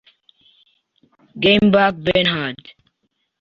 Gaimberg Bernhard